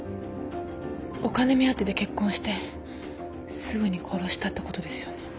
お金目当てで結婚してすぐに殺したってことですよね？